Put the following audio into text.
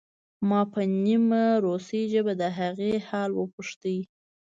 ما په نیمه روسۍ ژبه د هغې حال وپوښت